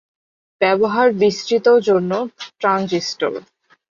ব্যবহার বিস্তৃত জন্য ট্রানজিস্টর।